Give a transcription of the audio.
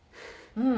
うん。